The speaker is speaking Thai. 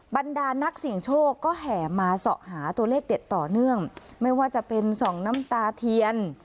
บรรดานักเสี่ยงโชคก็แห่มาเสาะหาตัวเลขเด็ดต่อเนื่องไม่ว่าจะเป็นส่องน้ำตาเทียน